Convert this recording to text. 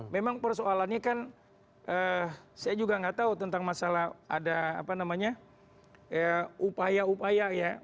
memang persoalannya kan saya juga nggak tahu tentang masalah ada apa namanya upaya upaya ya